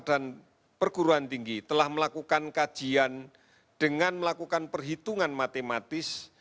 dan perguruan tinggi telah melakukan kajian dengan melakukan perhitungan matematis